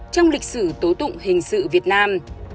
trong lịch sử tố tụng hình sự việt nam